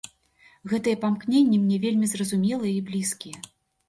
Гэтыя памкненні мне вельмі зразумелыя і блізкія.